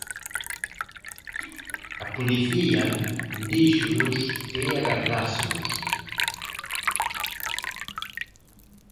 A policía díxonos que agardásemos.